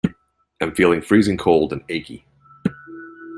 Am feeling freezing cold and achy.